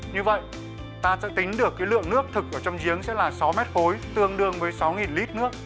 như vậy ta sẽ tính được cái lượng nước thực ở trong giếng sẽ là sáu mét khối tương đương với sáu lít nước